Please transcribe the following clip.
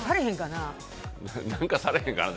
何かされへんかな。